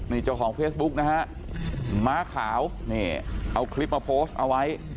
นี่เจ้าของเฟซบุ๊กนะฮะม้าขาวนี่เอาคลิปมาโพสต์เอาไว้